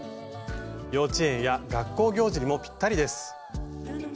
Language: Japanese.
幼稚園や学校行事にもぴったりです。